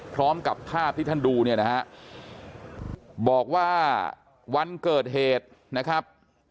พร้อมกับภาพที่ท่านดูเนี่ยนะฮะบอกว่าวันเกิดเหตุนะครับ